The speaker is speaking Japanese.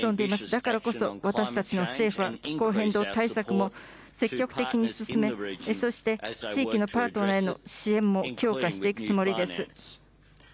だからこそ、私たちの政府は気候変動対策も積極的に進め、そして地域のパートナーへの支援も強化していくつもりです。